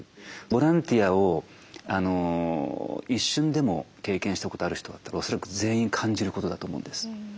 ボランティアを一瞬でも経験したことある人だったら恐らく全員感じることだと思うんです。